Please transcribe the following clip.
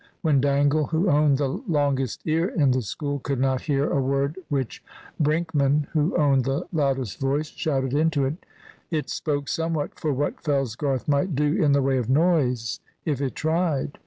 When Dangle, who owned the longest ear in the school, could not hear a word which Brinkman, who owned the loudest voice, shouted into it, it spoke somewhat for what Fellsgarth might do in the way of noise if it tried.